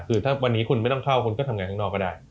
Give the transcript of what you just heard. คือถ้าวันนี้คุณไม่ต้องเข้าคุณก็ทำงานข้างนอกก็ได้